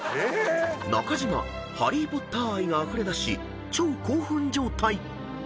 ［中島ハリー・ポッター愛があふれだし超興奮状態］